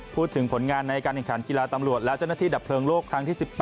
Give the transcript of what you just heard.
พูดถึงผลงานในการแข่งขันกีฬาตำรวจและเจ้าหน้าที่ดับเพลิงโลกครั้งที่๑๘